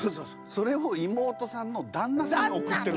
それを妹さんの旦那さんに送ってる？